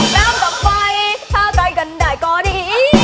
แป๊บต่อไปถ้าใกล้กันได้ก็ดี